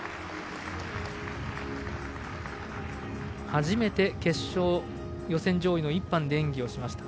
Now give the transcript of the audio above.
初めて決勝予選上位の１班で演技をしました。